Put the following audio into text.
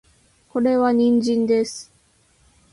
これは人参です